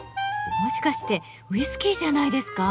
もしかしてウイスキーじゃないですか？